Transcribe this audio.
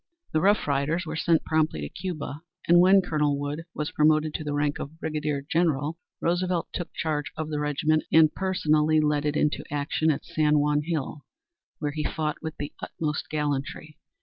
The Rough Riders were sent promptly to Cuba, and when Col. Wood was promoted to the rank of Brigadier General, Roosevelt took charge of the regiment and personally led it into action at San Juan Hill, where he fought with the utmost gallantry.